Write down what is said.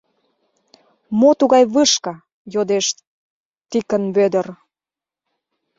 — Мо тугай вышка? — йодеш Тикын Вӧдыр.